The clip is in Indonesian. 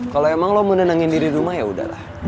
kalau emang lo mau nenangin diri rumah ya udahlah